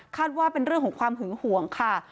ว่าเป็นเรื่องของความหึงห่วงค่ะ